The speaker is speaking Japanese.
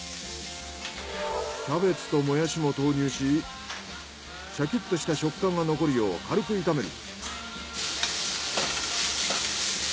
キャベツとモヤシも投入しシャキッとした食感が残るよう軽く炒める。